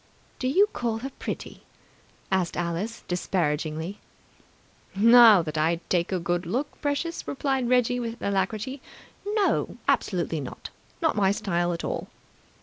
"Do you call her pretty?" asked Alice disparagingly. "Now that I take a good look, precious," replied Reggie with alacrity, "no! Absolutely not! Not my style at all!"